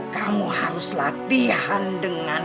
kamu harus latihan dengan